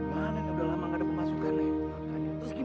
nah ini udah lama gak ada pemasukan nih